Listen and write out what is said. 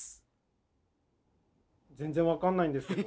全然分かんないんですけど。